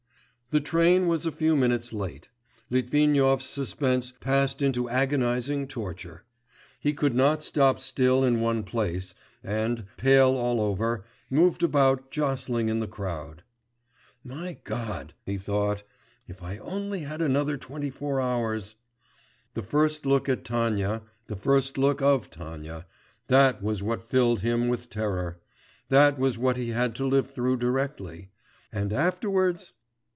The train was a few minutes late. Litvinov's suspense passed into agonising torture; he could not stop still in one place, and, pale all over, moved about jostling in the crowd. 'My God,' he thought, 'if I only had another twenty four hours.'... The first look at Tanya, the first look of Tanya ... that was what filled him with terror ... that was what he had to live through directly.... And afterwards?